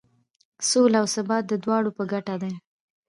سوله او ثبات د دواړو په ګټه دی.